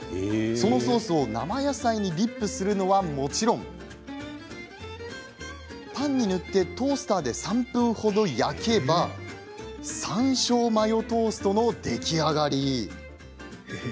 そのソースを生野菜にディップするのはもちろんパンに塗ってトースターで３分ほど焼けば山椒マヨトーストの出来上がり。